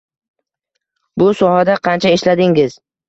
Bu sohada qancha ishladingiz?